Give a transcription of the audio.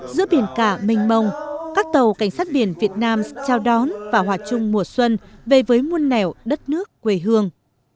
giữa biển cả mênh mông các tàu cảnh sát biển việt nam chào đón và hòa chung mùa xuân về với muôn nẻo đất nước quê hương